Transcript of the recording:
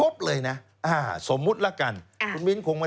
เพราะว่ามันไม่ใช่